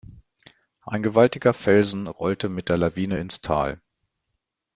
Ein gewaltiger Felsen rollte mit der Lawine ins Tal.